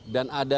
dan ada dua